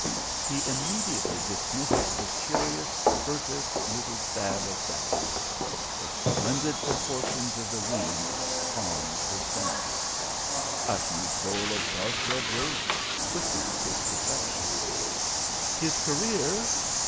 He immediately dismissed the curious, furtive little stab of doubt. The splendid proportions of the room calmed his senses. A huge bowl of dark red roses quickened his perceptions. His career....